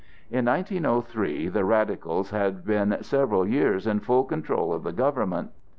In 1903 the Radicals had been several years in full control of the government.